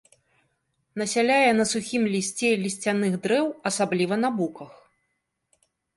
Насяляе на сухім лісце лісцяных дрэў, асабліва на буках.